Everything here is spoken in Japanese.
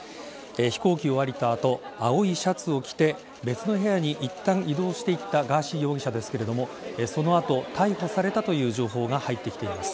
飛行機を降りた後青いシャツを着て別の部屋にいったん、移動していったガーシー容疑者ですけれどもその後、逮捕されたという情報が入ってきています。